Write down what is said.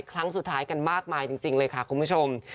ครั้งสุดท้ายกันมากมายจริงเลยค่ะคุณผู้ชม